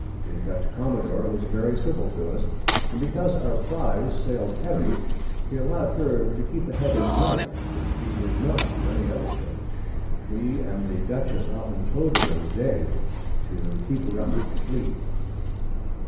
The Dutch Commadore was very civil to us, and because our Prize sailed heavy, he allow'd her to keep a head in the Night, which he did not to any other Ship. We and the Dutchess often tow'd her in the Day, to keep her up with the Fleet.